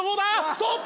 取った！